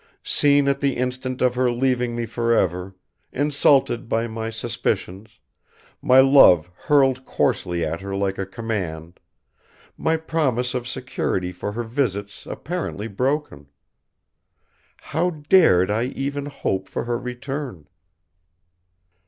Seen at the instant of her leaving me forever; insulted by my suspicions, my love hurled coarsely at her like a command, my promise of security for her visits apparently broken. How dared I even hope for her return?